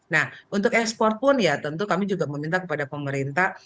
nah untuk ekspor pun ya tentu kami juga meminta kepada pemerintah